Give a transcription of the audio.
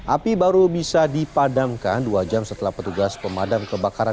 api baru bisa dipadamkan dua jam setelah petugas pemadam kebakaran